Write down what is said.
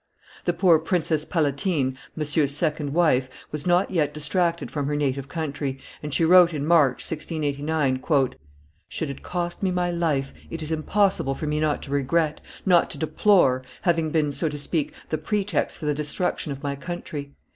The poor Princess Palatine, Monsieur's second wife, was not yet distracted from her native country, and she wrote in March, 1689, "Should it cost me my life, it is impossible for me not to regret, not to deplore, having been, so to speak, the pretext for the destruction of my country.